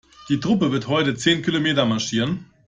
Die Truppe wird heute zehn Kilometer marschieren.